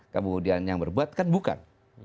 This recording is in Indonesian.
kemudian yang berbuat kan bukan